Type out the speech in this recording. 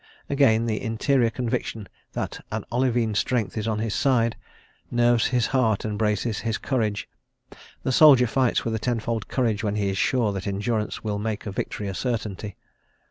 Again, the interior conviction that a olivine strength is on his side, nerves his heart and braces his courage: the soldier fights with a tenfold courage when he is sure that endurance will make victory a certainty.